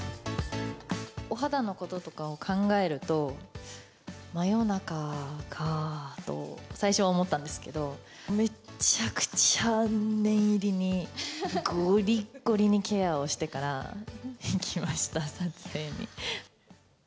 お肌のこととかを考えると、真夜中かぁと、最初は思ったんですけど、めっちゃくちゃ念入りに、ごりっごりにケアをしてから行きました、撮影に。